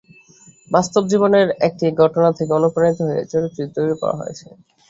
বাস্তব জীবনের একটি ঘটনা থেকে অনুপ্রাণিত হয়ে চরিত্রটি তৈরি করা হয়েছে।